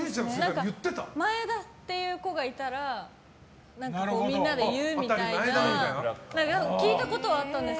前田っていう子がいたらみんなで言うみたいな聞いたことはあったんですけど。